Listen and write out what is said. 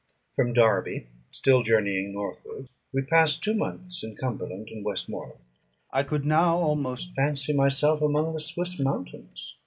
From Derby, still journeying northward, we passed two months in Cumberland and Westmorland. I could now almost fancy myself among the Swiss mountains.